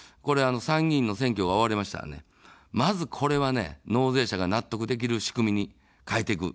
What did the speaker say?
参議院の選挙が終わりましたら、まず、これは納税者が納得できる仕組みに変えていく。